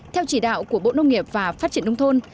theo chỉ đạo của bộ nông nghiệp và phát triển nông thôn